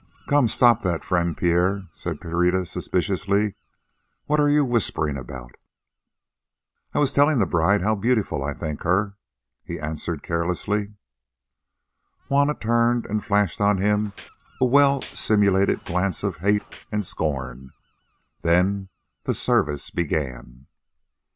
"Come, stop that, friend Pierre," said Pereira suspiciously. "What are you whispering about?" "I was telling the bride how beautiful I think her," he answered carelessly. Juanna turned and flashed on him a well simulated glance of hate and scorn. Then the service began.